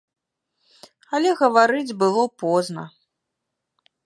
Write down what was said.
Але гаварыць было позна.